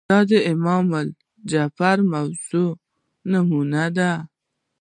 د امام جائر موضوع نمونه ده